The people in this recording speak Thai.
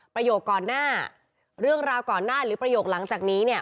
ประโยคก่อนหน้าเรื่องราวก่อนหน้าหรือประโยคหลังจากนี้เนี่ย